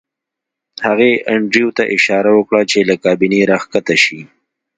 هغې انډریو ته اشاره وکړه چې له کابینې راښکته شي